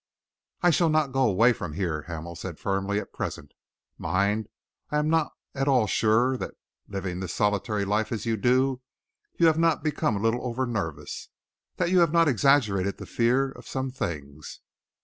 "I shall not go away from here," Hamel said firmly, "at present. Mind, I am not at all sure that, living this solitary life as you do, you have not become a little over nervous; that you have not exaggerated the fear of some things.